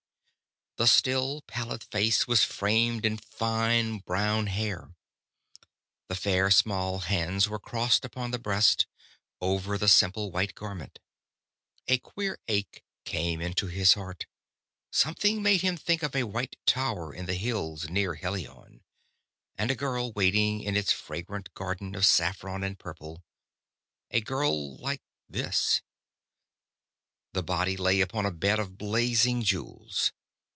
The still, pallid face was framed in fine brown hair. The fair, small hands were crossed upon the breast, over the simple white garment. A queer ache came into his heart. Something made him think of a white tower in the red hills near Helion, and a girl waiting in its fragrant garden of saffron and purple a girl like this. The body lay upon a bed of blazing jewels.